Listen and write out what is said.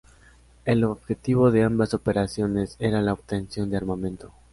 El objetivo de ambas operaciones era la obtención de armamento.